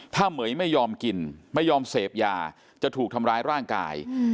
ถ้าเหม๋ยไม่ยอมกินไม่ยอมเสพยาจะถูกทำร้ายร่างกาย